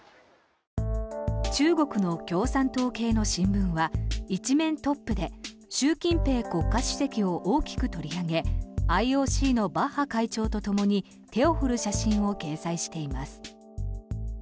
中国の共産党系の新聞は１面トップで習近平国家主席を大きく取り上げＩＯＣのバッハ会長とともに手を振る写真を掲載しています。